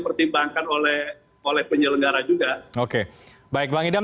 itu yang paling penting dan tidak menimbulkan laginan